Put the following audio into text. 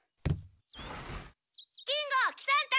金吾喜三太！